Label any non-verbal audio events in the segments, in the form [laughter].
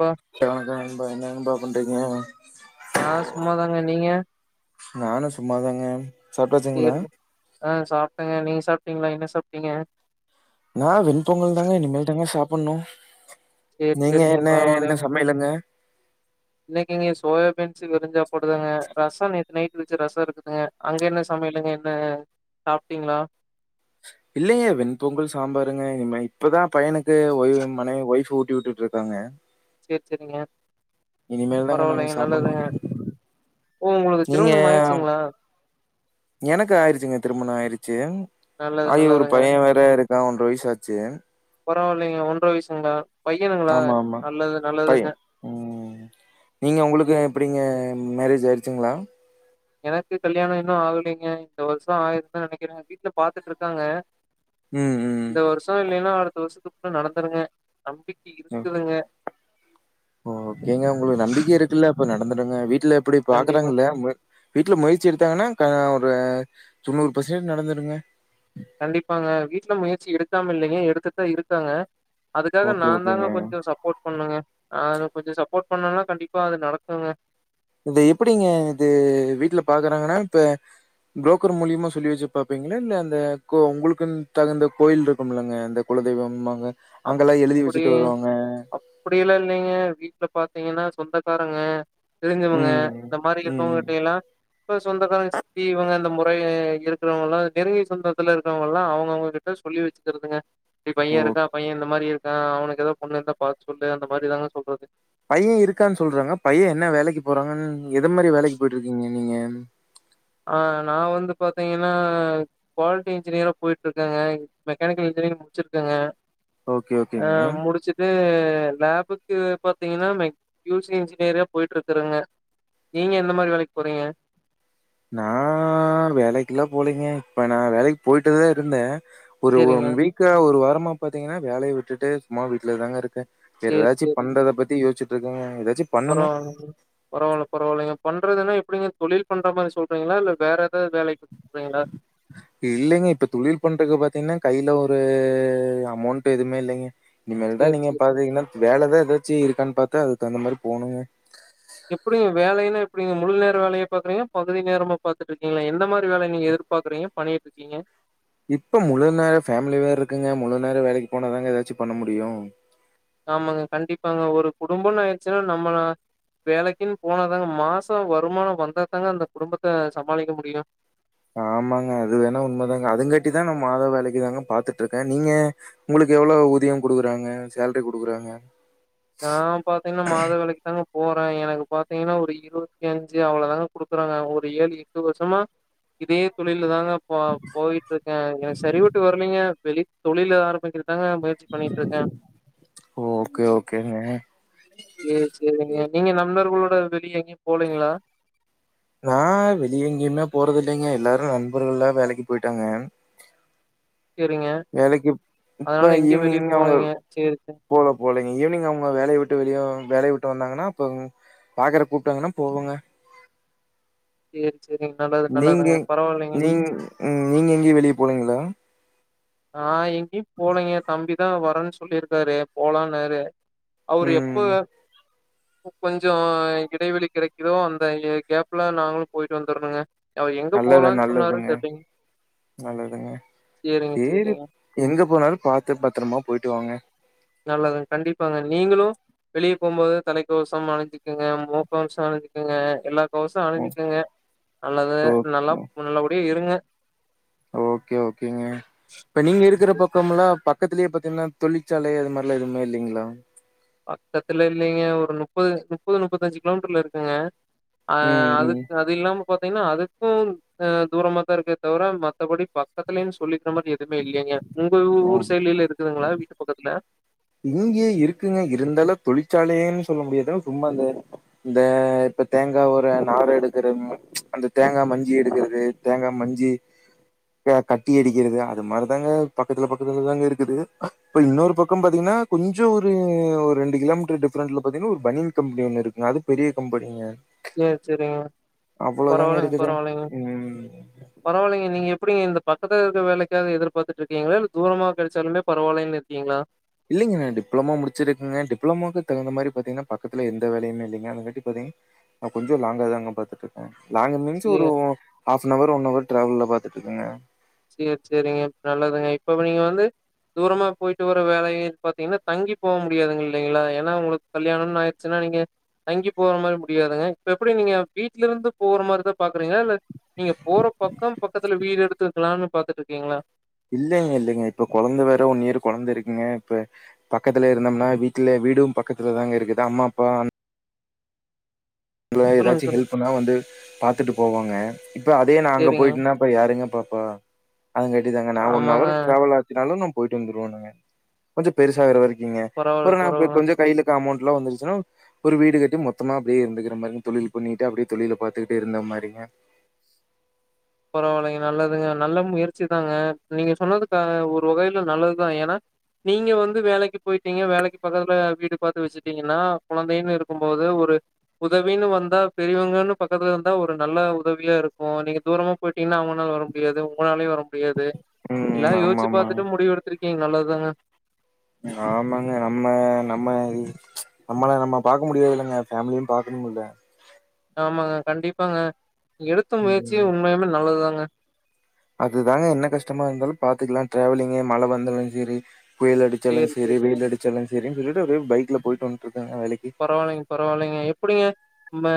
பா ஓ நா சும்மாதாங்க நீங்க நானும் சும்மாதாங்க சாப்பிட்டாச்சுங்களா சாப்பிட்டங்க நீ சாப்பிட்டீங்களா என்ன சாப்பிட்டீங்க நா வெண்பொங்கல் தாங்க இனிமேல் தாங்க சாப் ஒண்ணு சேரி நீங்க சேரிங்க என்ன என்ன சமையலுங்க இன்னைக்கு இங்க சோயா பீன்ஸ் வெறு சாப்பாடுத்தாங்க ரசம் நைட்டு வச்சு ரசம் இருக்குதுங்க அங்க என்ன சமையலுங்க என்ன சாப்பிட்டீங்களா இல்லைய வெண்பொங்கல் சாம்பாருங்க இனிம இப்பதான் பையனுக்கு ஒய் மனைவி ஒய்ஃப் ஊட்டி விட்டுட்டு இருக்காங்க சரி சரிங்க இனிமேல தாங்க நானே சாப்பிடணும் ஓ உங்களுக்கு நீங்க திருமணம் ஆயிடுச்சுங்களா எனக்கு ஆயிருச்சுங்க திருமணம் ஆயிருச்சு நல்லது [unintelligible] ஐயோ ஒரு நல்லதுங்க பைய வேற இருக் ஏ ஒன்ற வயசு ஆச்சு பரவில்லைங்க ஒன்ற வயசுங்களா பையனுங்களா ஆமா ஆமா நல்லது பைய நல்லதுங்க உம் நீங்க உங்களுக்கு சரி, எப்படிங்க மேரேஜ் ஆயிடுச்சிங்களா எனக்கு கல்யாணம் இன்னும் ஆகலைங்க இந்த வருஷம் ஆகிருன்னு நினைக்கிறேன் வீட்டுல பாத்துட்டு இருக்காங்க ம் இந்த ம் வருஷம் இல்லைன்னா பத்து வருஷத்துக்குள்ள நடந்துருங்க நம்பிக்கை இருக்குதுங்க எங்க வீட் வீட்டுல இப்படி கண்டிப்பா. பாக்கிறாங்க இல்ல வீட்ல முயற்சி எடுத்தாங்கன்னா கா ஒரு தொன்னூரு பர்சன்ட் நடந்துருங்க கண்டிப்பாங்க வீட்ல முயற்சி எடுக்காம இல்லையங்க எடுத்துட்டு தா இருக்காங்க அதுக்காக ஓகே, நா தா ஓகேங்க. கொஞ்சொ சப்போட் பண்ணனுங்க ஆது கொஞ்சொ சப்போட் பண்ணோனா கண்டிப்பா அது நடக்குங்க இந்த எப்டிங்க இது வீட்டுல பாக்குறாங்கன்னா இப்ப புரோக்கர் மூலியமா சொல்லி வச்சு பாப்பிங்களா இல்ல அந்த கோ உங்களுக்குன் தகுந்த கோயில் இருக்கும் இல்லங்க இந்த குலதெய்வம் பாங்க அப்புடி அப்புடி எல்லா இல்லைங்க வீட்ல பாத்தீங்கன்னா சொந்தக்காரங்க தெரிஞ்சவங்க ம். இந்த மாரி ம். இருக்கவங்க ம். கிட்ட எல்லா இப்ப சொந்தக்காரங்க சித்தி இவங்க அந்த முறை இருக்குறவங்க எல்லா நெருங்கி சொந்தத்துல இருக்குறவங்க எல்லா அவங்க அவங்க கிட்ட சொல்லி வச்சுக்குறதுங்க தி ஓ! பைய இருக்கா பைய இருக்கா அவனுக்கு ஏதா பொண்ணு இருந்தா பாத்து சொல்லு அந்த மாரி தாங்க சொல்றது பைய இருக்கான் சொல்றாங்க பைய என்ன வேலைக்கு போறாங்கன் எது மாதிரி வேலைக்கு போயிட்டு இருக்கீங்க நீங்கன் ஆ நா வந்து பாத்தீங்கன்னா குவாலிட்டி இன்ஜினியரா போயிட்டு இருக்கங்க மெக்கானிக்கல் இன்ஜினியரிங்க் முடிச்சு இருக்கங்க ஓகே, ஓகேங்க. ஆஹ் முடிச்சுட்டு ஆ லேபுக்கு பாத்தீங்கன்னா மெ கியூஸி இன்ஜினியரிங்க போயிட்டு இருக்குதுங்க நீங்க எந்த மாதிரி வேலைக்கு போறீங்க நா வேலைக்குல்லா போலங்க இப்போ நா வேலைக்கு போயிட்டு தா இருந்தே ஒரு சரிங்க. ஒன் வீக்கா ஒரு வார மா பாத்தீங்கன்னா வேலைய விட்டுட்டு சும்மா வீட்ல தாங்க இருக்க வேற சரி, ஏதாச்சு சரிங்க. பண்றது பத்தி யோசிச்சுட் இருக்கங்க எதா பரவால்லங்க பரவால்ல பரவாயில்லைங்க பண்றதுன்னா எப்டிங்க தொழில் பண்ற மாரி சொல்றீங்களா இல்ல வேற ஏதாவது வேலைக்கு சொல்றீங்களா? இல்லைங்க இப்ப தொழில் பண்ணுறக்கு பாத்தீங்கன்னா கையில ஒ ரூ அமௌன்ட்டு எதுமே இல்லைங்க இனிமேல் தா சரி, நீங்க சரி. பாத்தீங்கன்னா வேல தா ஏதாச்சு இருக்கான்னு பாத்து அதுக்கு தகுந்த மாரி போனுங்க எப்டிங்க வேலையெல்லா எப்டிங்க முழு நேர வேலையா பாக்குறீங்களா பகுதி நேரமா பாத்துட்ருக்கீங்களா எந்த மாரி வேலைங்க நீங்க எதிர்பாக்குறீங்க பண்ணிட்டு இருக்கீங்க இப்ப முழு நேர ஃபேமிலி வேற இருக்குங்க முழு நேர வேலைக்கு போனாதாங்க ஏதாச்சு பண்ண முடியு ஆமாங்க கண்டிப்பாங்க ஒரு குடும்போனு ஆயிச்சுன்னா நம்ம தா வேலைக்கு போனா தாங்க மாசொ வருமானோ வந்தா தாங்க அந்த குடும்பத்த சமாளிக்க முடியு ஆமாங்க அது வேணா உண்மதாங்க அதுங்காட்டி தா நா மாத வேலைக்குதாங்க பாத்துட்டு இருக்கே நீங்க உங்களுக்கு எவ்வளோ ஊதியொ குடுக்குறாங்க சேலரி குடுக்குறாங்க நா பாத்தீங்கன்னா மாத வேலைக்கு தாங்க போகறே எனக்கு பாத்தீங்கன்னா ஒரு இருவத்தி அஞ்சு அவ்வளோ தாங்க கொடுக்குறாங்க ஒரு ஏழு எட்டு வருஷமா இதே தொழில்ல தாங்க போ போயிட்டு இருக்கே எனக்ஙு சரி பட்டு வரலீங்க வெளி தொழில் ஏதா ஆரம்பிக்கிற தாங்க முயற்சி பண்ணிட்டு இருக்கே ஓகே, ஓகேங்க. சேரி சேரிங்க நீங்க ந தொண்டர்களோட வெளிய எங்கயும் போலீங்களா நா வெளியே எங்கேயுமே போறத இல்லிங்க எல்லாரும் நண்பர்கள்ல்லாம் வேலைக்கு போயிட்டாங்க செரிங்க வேலைக்கு இப்ப அதனால எங்கயு வெளிய ஈவினிங் அவங்க போலீங்க செரி செரி போல போலங்க ஈவினிங் அவங்க வேலைய விட்டு வெளிய வேலைய விட்டு வந்தாங்கன்னா அப்ப பாக்குறகு கூப்டாங்கன்னா போவங்க சேரி சேரிங்க நல்லது நீங்க நல்லதுங்க பரவால்லைங்க. நீ உம் நீங்க எங்கயும் வெளிய போலீங்களா ஆஹ் எங்கேயு போலிங்க தம்பிதா வரன்னு சொல்லியிருக்காரு போலானாரு அவரு ம். எப்ப கொஞ்ச இடைவெளி கிடைக்குதோ அந்த கேப்ல நாங்களும் போயிட்டு வந்துரணுங்க அவ எங்க நல்லது, போலான்னு நல்லதுங்க, சொன்னாருன்னு தெரிலீங் சேரிங் சேரி எங்க போனாலும் பாத்து பத்ரமா போயிட்டு வாங்க நல்லதுங்க கண்டிப்பாங்க நீங்களு வெளிய போகும்போது தலைக்கவசம் அனிஞ்சிக்கங்க முக்கவசம் அனிஞ்சிக்கங்க எல்லா க்கவசம் ஓ அனிஞ்சுக்கங்க நல்லது நல்லா ஓகே நல்லபடியாக இருங்க ஓகே ஓகேங்க இப்ப நீங்க இருக்குற பக்கம்லாம் பக்கத்திலயே பாத்தீங்கன்னா தொழிற்சாலை அது மாரிலாம் எதுவுமே இல்லிங்களா பக்கத்துல இல்லிங்க ஒரு முப்பது முப்பது முப்பத்த அஞ்சு கிலோமீட்டர்ல இருக்குங்க ம் அஹ் ம் அதுக்கு அது இல்லாம பாத்தீங்கன்னா அதுக்கு தூரமா தா இருக்கே தவிர மத்தபடி பக்கத்துலனு சொல்லி சொல்ற மாரி எதுமே இல்லிங்க உங்க ஆ ஊர் சைடுலலா இருக்குதுங்களா வீட்டு பக்கத்துல இங்கே இருக்குங்க இருந்தாலு தொழிற்சாலைய்ன்னு சொல்ல முடியாது உம்மா அந்த இந்த இப்ப தேங்காய் ஓடு நாரு எடுக்கற அந்த தேங்காய் மஞ்சி எடுக்கிறது தேங்காய் மஞ்சி கட்டி அடிக்கிறது அது மாரி தாங்க பக்கத்துல பக்கத்துலதாங்க இருக்குது இப்ப இன்னொரு பக்கம் இரு பாத்தீங்கன்னா கொஞ்ச ஒரு ரெண்டு கிலோமீட்டர் டிஃபரன்ஸ்ல பாத்தீங்கன்னா ஒரு பனியன் கம்பெனி ஒண்ணு இருக்கு அது பெரிய கம்பெனிங்க சேரி சேரிங்க அவ்வளோதாங்க பரவால்லிங்க இருக்குது பரவால்லிங்க ம் பரவால்லிங்க நீங்க எப்டிங்க இந்த பக்கத்துல இருக்க வேலைக்காக எதிர்பார்த்துட்டு இருக்கீங்களா இல்ல தூரமா கெடச்சாலுமே பரவாயில்லன்னு இருக்கீங்களா இல்லிங்க நா டிப்ளமமா முடிச்சு இருக்கங்க டிப்ளமோக்கு தகுந்த மாரி பாத்தீங்கன்னா பக்கத்துல எந்த வேலையுமே இல்லிங்க அதை கட்டி பாத்தீங்கன்னா நா கொஞ்சம் லாங்காத தாங்க பாத்துட்டு இருக்க லாங்கு மீன்ஸ் சரி, ஒரு ஹப்வர் ஒன் ஹவர் ட்ராவல்ல தா எத்து இருக்குங்க சேரி சுரிங்க நல்லதுங்க இப்ப நீங்க வந்து தூரமா போயிட்டு வற வேல பாத்தீங்கன்னா தங்கி போக முடியாதுங்க இல்லிங்களா ஏன்னா உங்களுக்கு கல்யாணம்னு ஆயிடுச்சுன்னா நீங்க தங்கி போற மாரி முடியாதுங்க இப்ப எப்டி நீங்க வீட்ல இருந்து போற மாரிதா பாக்குறீங்களா இல்ல நீங்க போற பக்கம் பக்கத்துல வீடு எடுத்து கலான்னு பாத்துட்டு இருக்கீங்களா இல்லிங்க இல்லிங்க இப்ப கெழந்த வேற ஒன்னியர் கெழந்த இருக்குங்க இப்ப பக்கத்துல இருந்தோம்னா வீட்ல வீடும் பக்கத்துலதாங்க இருக்குது அம்மா அப்பா சொல்லுங்க, ஏதாச்சு சொல்லுங்க. ஹெல்புன்னா வந்து பாத்துட்டு போவாங்க இப்போ அதே நா அங்க சரிங்க. போயிட்டன்னா அப்ப யாருங்க பாப்பா அதுங்க காட்டிதாங்க நா ஒன் ஆமாங்க. அவர் டிராவல் ஆச்சினாலு நா போயிட்டு வந்துருவனுங்க கொஞ்ச பெருசாகுற வரைக்கு ங்க பரவால்ல, அப்புறம் நா பரவால்ல. கொஞ்சம் கையில இருக்க அமௌண்ட் நல்லா வந்துருச்சுன்னா ஒரு வீடு கட்டி மொத்தமா அப்படியே இருந்து மாரி தொழில் பண்ணிட்டு அப்படியே தொழில பாாரத்துக்கிட்டு இருந்த மாரிங்க பரவாயில்லைங்க நல்லதுங்க நல்ல முயற்சிதாங்க நீங்க சொன்னதுக்கு ஒரு வகையில நல்லதுதான் ஏன்னா நீங்க வந்து வேலைக்கு போயிட்டீங்க வேலைக்கு பக்கத்துல வீடு பாத்து வச்சுட்டீங்கன்னா குழந்தைன்னு இருக்கும் போது ஒரு உதவின்னு வந்தா பெரியவங்கன்னு பக்கத்துல இருந்தா ஒரு நல்ல உதவியா இருக்கும் நீங்க தூரமா போய்டீங்கன்னா அவங்கனால வர முடியாது உங்களாலே வர முடியாது ம் எல்லாம் ஆமா யோச்சு ப பாத்துட்டு ஆமாங்க முடிவு எடுத்திரு கீங்‌ நல்லதுதாங்க ஆமாங்க நம்ம நம்ம நம்மள நம்ம பாக்க முடியாது இல்லைங்க ஃபேமிலியும் பாக்கணும்ல ஆமாங்க கண்டிப்பாங்க எடுத்த முயற்சியும் ம் உண்மையுமே நல்லதுதாங்க ஆஹ் அதுதாங்க என்ன கஷ்டமா இருந்தாலும் பாத்துக்கலாம் டிரவலிங்கே மழை வந்தாலும் சரி புயல் அடிச்சாலும் சரி வெயில் அடிச்சாலும் சரி ஒரே பைக்ல போயிட்டு வந்துக் பரவாயில்லைங்க பரவாயில்லைங்க எப்படிங்க நம்ம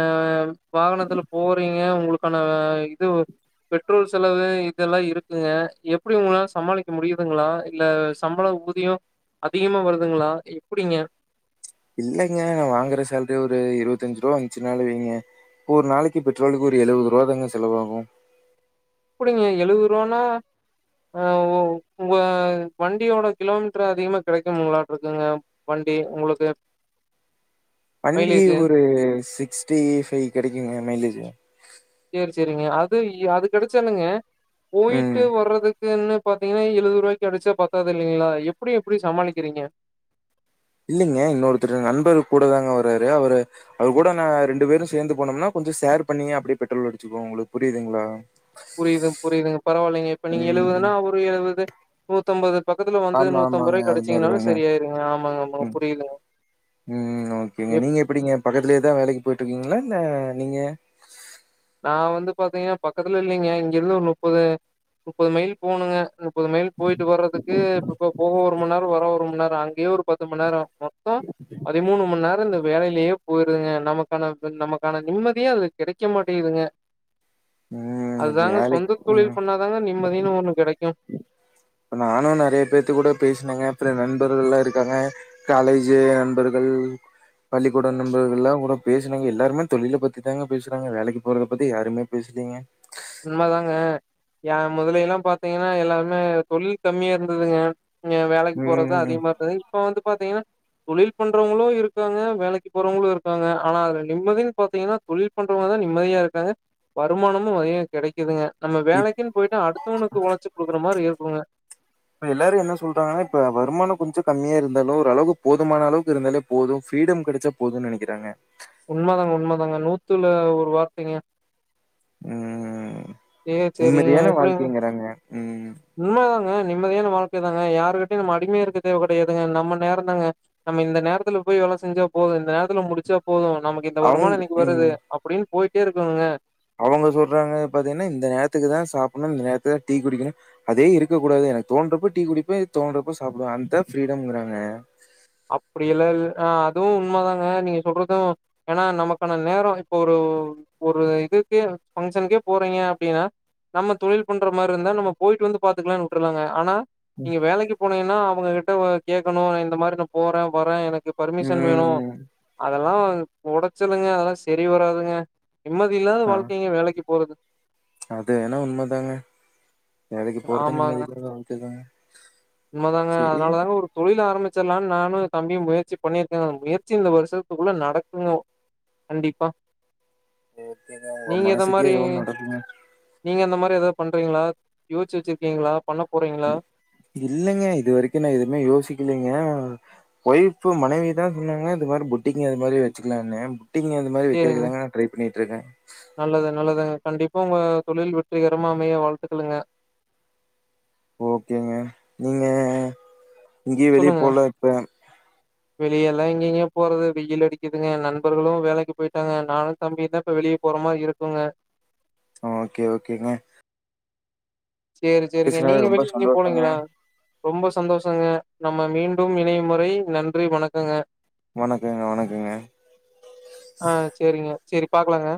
வாகனத்துல போறீங்க உங்களு க்கான இது பெட்ரோல் செலவு இதெல்லாம் இருக்குங்க எப்படி உங்களாம் சமாளிக்க முடியுதுங்களா இல்ல சம்பள ஊதியம் அதிகமா வருதுங்களா எப்படிங்க இல்லைங்க நா வாங்குற சேலரி ஒரு இருபத்தஞ்சு ரூபா வந்துச்சுனால வீங்க இப்ப ஒரு நாளைக்கு பெட்ரோலுக்கு ஒரு எழுபது ரூபா தாங்க செலவாகும் அப்படிங்க எழுபது ரூவானா அஹ் ஒ உங்க வண்டியோட கிலோமீட்டர் அதிகமா கிடைக்கும்ளாட்டு இருக்குங்க வண்டி உங்களுக்கு வண்டி மைலேஜ் ஒரு சிக்ஸ்டி ஃபைவ் கிடைக்குங்க மைலேஜ் செரி செரிங்க அது அது கிடைச்சண்ணுங்க போயிட்டு ம் வரதுக்குன்னு பாத்தீங்கன்னா எழுபது ரூபாய்கு அடிச்சா பத்தாதது இல்லைங்களா எப்படி எப்படி சமாளிக் கிறீங்க இல்லைங்க இன்னொருத்தர் நண்பர் கூட தாங்க வர்றாரு அவரு அவர் கூட நான் ரெண்டு பேரும் சேர்ந்து போனோம்னா கொஞ்சம் ஷேர் பண்ணி அப்படியே பெட்ரோல் அடிச்சுக்கோம் உங்களுக்கு புரியுதுங்களா புரியுதுங்க புரியுதுங்க பரவாயில்லைங்க இப்ப நீங்க ம் எழுபதுன்னா ஒரு எழுபது நூத்தம்பது ஆமா ஆமாங்க அது மாரிதாங்க சரியாயிருங்க. ஆமாங்க, ஆமாங்க. ம் புரியுதுங்க. உம் ஓகேங்க எப் நீங்க எப்படிங்க பக்கத்தலயே தான் வேலைக்கு போயட்டு இருக்கீங்களா இல்ல நீங்க நா வந்து பாத்தீங்கன்னா பக்கத்துல இல்லைங்க இங்கிருந்து ஒரு முப்பது முப்பது மைல் போகணுங்க முப்பது மைல் போயிட்டு வர்றதுக்கு இப்ப இப்ப போக ஒரு மணி நேரம் வர ஒரு மணி நேரம் அங்கேயே ஒரு பத்து மணி நேரம் மொத்தம் அதி மூணு மணி நேரம் இந்த வேலையிலேயே போயிருங்க நமக்கான நமக்கான நிம்மதியே அது கிடைக்க மாட் டேங்குதுங்க ம் அதுதாங்க வேலைக் சொந்த ம் தொழில் பண்ணாதாங்க நிம்மதியின்னு ஒண்ணு கிடைக்கும் நானும் நிறைய பேத்து கூட பேசுனேங்க நண்பர்கள் எல்லாம் இருக்காங்க காலேஜ் நண்பர்கள் பள்ளிக்கூடம் நண்பர்கள் எல்லாம் கூட பேசுனாங்க எல்லாருமே தொழில பத்தி தாங்க பேசுறாங்க வேலைக்கு போறத பத்தி யாருமே பேசுலீங்க ஏன் முதல எல்லாம் பாத்தீங்கன்னா எல்லாருமே தொழில் கம்மியா இருந்ததுங்க வேலைக்கு போறது ம் அதிகமா இருந்தது இப்ப வந்து பாத்தீங்கன்னா தொழில் பண்றவங்களும் இருக்காங்க வேலைக்கு போறவங்களும் இருக்காங்க ஆனா அது நிம்மதியின் பாத்தீங்கன்னா தொழில் பண்றவங்க தான் நிம்மதியா இருக்காங்க வருமானமும் வகையா கெடைக்குதுங்க நம்ம வேலைக்குன்னு போயிட்டா அடுத்தவனுக்கு ஒழச்சு குடுக்குற மாரி இருக் புவே இப்ப எல்லாரு என்ன சொல்றாங்கன்னா இப்ப வருமானொ கொஞ்சொ கம்மியா இருந்தாலு ஒரு அளவுக் போதுமான அளவுக்கு இருந்தாலே போதும் ஃப்ரீடம் கெடச்சா போதுன் நெனைக்கிறாங்க உண்ம தாங்க உண்ம தாங்க நூத்துல ஒரு வார்த்தைங்க உம் ஏ சேரிங்க நிம்மதியான வாழ்க்கைங்கிறாங்க ம் அ நிம்மதியான வாழ்க்கை தாங்க யாருகிட்டயு நம்ம அடிமையா இருக்க தேவ கெடையாதுங்க நம்ம நேரந்தாங்க நம்ம இந்த நேரத்துல போய் வேல செஞ்சா போது இந்த நேரத்துல முடிச்சா போது நமக்கு இந்த அவுங் வருமானொ இன்னைக்கு ம் வருது அப்பின்னு போயிட் இருக்கோங்க அவங்க சொல்றாங்க பாத்தீங்கன்னா இந்த நேரத்துக்குதா சாப்புடணு இந்த நேரத்துலதா டீ குடிக்கணு அதே இருக்கக்க கூடாது எனக் தோன்றப்ப டீ குடிப்பே தோன்றப்ப சாப்புடுவே அந்தா ஃப்ரீடம்ங்கிறாங்க அப்படி எல்லா இல் ஆஹ் அதுவும் உண்மதாங்க நீங்க சொல்றதும் ஏன்னா நமக்கான நேரம் இப்ப ஒரு ஒரு இதுக்கே ஃபங்க்ஷனுக்கே போறீங்க அப்படின்னா நம்ம தொழில் பண்ற மாரி இருந்தா நம்ம போயிட்டு வந்து பாத்துக்கலானு விட்டுருலாங்க ஆனா ம். நீங்க வேலைக்கு போனீங்கன்னா அவங்ககிட்ட வ கேக்கணு இந்த மாரி நா போறே வறே எனக் கு பர்மிஷன் வேணு ம். அதெல்லா கொடச்சலுங்க அதெல்லா சரி வராதுங்க நிம்மதி இல்லாத ஆ வாழ்க்கைங்க வேலைக்கு போறது அது என்னவோ உண்மதாங்க வேலைக்கு போறதே ஆமாங்க நிம்மதி இல்லாத வாழ்க்கைதா உண்மதாங்க அதனால தாங்க ஒரு தொழில் ஆரம்பிக் ச்சர்லானு நானு தம்பியு முயற்சி பண்ணியிருக்கே முயற்சி இந்த வருஷத்துக்குள்ள நடக்குங்க கண்டிப்பா ஓகேதா ஓ நீங்க எத மனசுக்கு மாரி எதுவு நடக்குங்க நீங்க அந்த மாரி எதாவது பண்றீங்களா யோச்சு வச்சிருக்கீங்களா பண்ண போறீங்களா இல்லைங்க இது வரைக்கு நா எதுமே யோசிக்கலைங்க வொய்ஃப்பு மனைவிதா சொன்னாங்க இது மாரி புட்டிங்க அது மாரி வச்சுக்கலானு ட்டிங்க அந்த மாதி வக்கரதுக்கு சேரிங்க தாங்க நா ட்ரை பண்ணிட் ட்ருக்க நல்லது நல்லதுங்க கண்டிப்பா உங்க தொழில் வெற்றிகரமா அமைய வாழ்த்துக்களுங்க ஓகேங்க நீங்க இங்கேயு வெளியே சொல்லுங்க போல இப்ப வெளியெல்லா எங்கேங்க போறது வெயில் அடிக்குதுங்க நண்பர்களு வேலைக்கு போயிட்டாங்க நானுந் தம்பியுதா இப்ப வெளியே போற மா இருக்குங்க ஓகே ஓகேங்க சேரி சேரிங்க நீங்க பேசுனது ரொம்ப வெளிய எங்கயு சந்தோஷங்க. போலைங்களா ரொம்ப சந்தோஷங்க நம்ம மீண்டும் இணையும் முறை நன்றி வணக்கங்க வணக்கங்க வணக்கங்க செரி பாக்கலாங்க